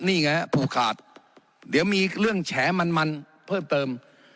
นี่ไงผูกขาดเดี๋ยวมีเรื่องแฉมันมันเพิ่มเติม